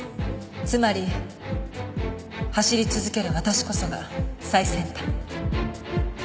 つまり走り続ける私こそが最先端。